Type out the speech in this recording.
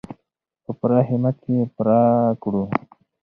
په پوره همت یې پوره کړو.